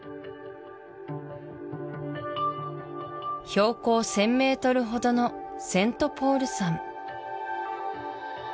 標高１０００ｍほどのセントポール山